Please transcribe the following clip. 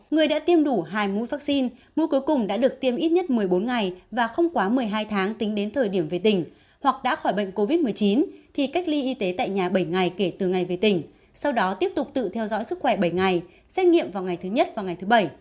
người đã tiêm đủ hai mũi vaccine mũi cuối cùng đã được tiêm ít nhất một mươi bốn ngày và không quá một mươi hai tháng tính đến thời điểm về tỉnh hoặc đã khỏi bệnh covid một mươi chín thì cách ly y tế tại nhà bảy ngày kể từ ngày về tỉnh sau đó tiếp tục tự theo dõi sức khỏe bảy ngày xét nghiệm vào ngày thứ nhất và ngày thứ bảy